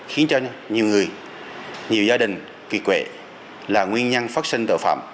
khiến cho nhiều người nhiều gia đình kiệt quệ là nguyên nhân phát sinh tội phạm